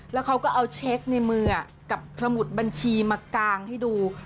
แล้วเขาก็เอาเช็คในมือกับสมุดบัญชีมากางให้ดู